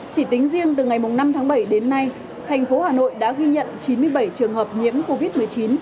chỉ tính riêng từ ngày năm tháng bảy đến nay thành phố hà nội đã ghi nhận chín mươi bảy trường hợp nhiễm covid một mươi chín